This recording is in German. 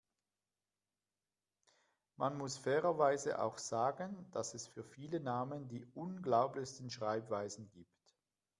Man muss fairerweise auch sagen, dass es für viele Namen die unglaublichsten Schreibweisen gibt.